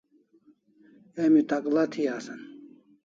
Emi takl'a thi asan